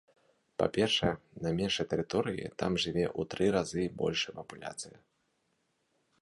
Па-першае, на меншай тэрыторыі там жыве ў тры разы большая папуляцыя.